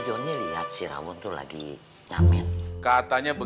nah ini teman turan duas prendre